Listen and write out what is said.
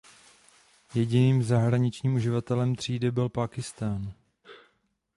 Jediným zahraničním uživatelem třídy byl Pákistán.